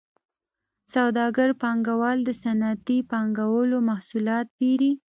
سوداګر پانګوال د صنعتي پانګوالو محصولات پېري